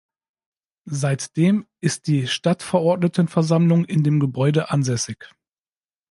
Seitdem ist die Stadtverordnetenversammlung in dem Gebäude ansässig.